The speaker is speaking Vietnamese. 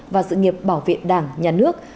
và sự nghiệp bảo vệ đảng nhà nước